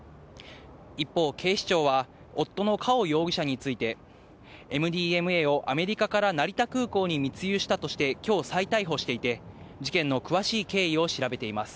一方、警視庁は、夫のカオ容疑者について、ＭＤＭＡをアメリカから成田空港に密輸したとして、きょう再逮捕していて、事件の詳しい経緯を調べています。